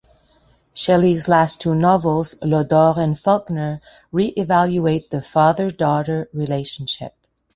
Shelley's last two novels, "Lodore" and "Falkner", re-evaluate the father-daughter relationship.